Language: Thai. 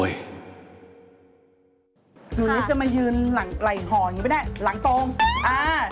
ได้ไหล่ห่ออย่างงี้บ้างไหมนี่หลังตรงอะ